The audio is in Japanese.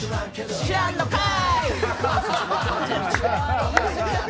知らんのかい